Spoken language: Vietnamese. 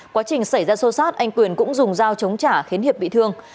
quá trình xảy ra sâu sát anh quyền cũng dùng dao chống trả khiến hiệp bị thương